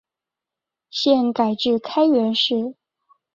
现改置开原市。